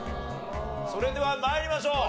それでは参りましょう。